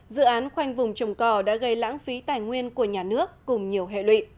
dự án khoanh vùng trồng cỏ đã gây lãng phí tài nguyên của nhà nước cùng nhiều hệ lụy